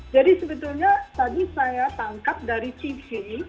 jadi sebetulnya tadi saya tangkap dari tv